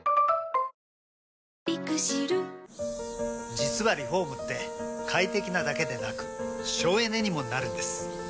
実はリフォームって快適なだけでなく省エネにもなるんです。